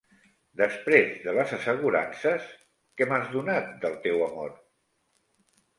Després de les assegurances que m'has donat del teu amor?